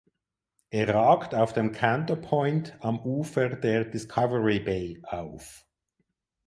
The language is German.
Er ragt auf dem Canto Point am Ufer der Discovery Bay auf.